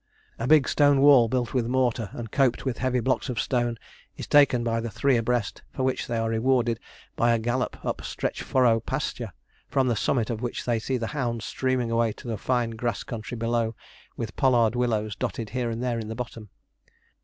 A big stone wall, built with mortar, and coped with heavy blocks of stone, is taken by the three abreast, for which they are rewarded by a gallop up Stretchfurrow pasture, from the summit of which they see the hounds streaming away to a fine grass country below, with pollard willows dotted here and there in the bottom.